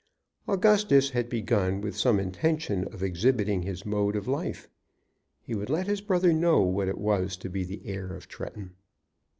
Augustus had begun with some intention of exhibiting his mode of life. He would let his brother know what it was to be the heir of Tretton.